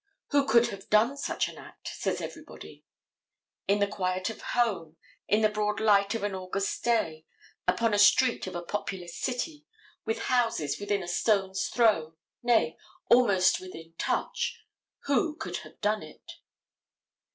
"Who could have done such an act?" says everybody. In the quiet of home, in the broad light of an August day, upon a street of a populous city, with houses within a stone's throw, nay, almost within touch, who could have done it?